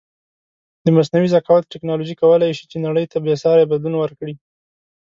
د مصنوعې زکاوت ټکنالوژی کولی شې چې نړی ته بیساری بدلون ورکړې